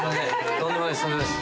とんでもないです。